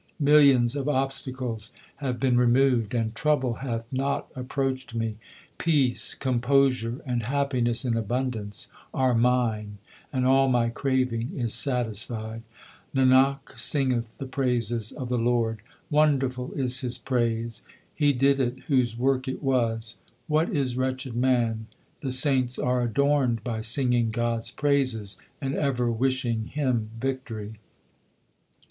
Millions of obstacles have been removed and trouble hath not approached me. Peace, composure, and happiness in abundance are mine, and all my craving is satisfied. Nanak singeth the praises of the Lord ; wonderful is His praise. He did it whose work it was ; what is wretched man ? The saints are adorned by singing God s praises, and ever wishing Him victory.